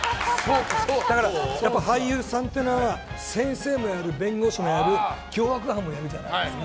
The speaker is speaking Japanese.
俳優さんというのは先生もやる、弁護士もやる凶悪犯もやるじゃないですか。